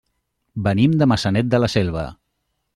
Venim de Maçanet de la Selva.